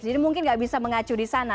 jadi mungkin nggak bisa mengacu di sana